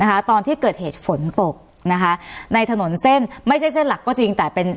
ตอนที่เกิดเหตุฝนตกนะคะในถนนเส้นไม่ใช่เส้นหลักก็จริงแต่เป็น